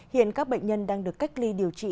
hiện các bệnh nhân đang được cách ly điều trị